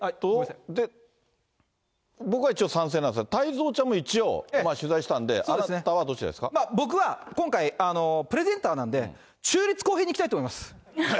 僕は一応賛成なんですが、太蔵ちゃんも一応、取材したんで、僕は今回、プレゼンターなんで、中立公平でいきたいと思います。